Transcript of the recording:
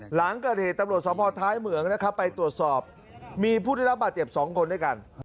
หลังเกิดเหตุตำรวจสภท้ายเหมืองนะครับไปตรวจสอบมีผู้ได้รับบาดเจ็บ๒คนด้วยกัน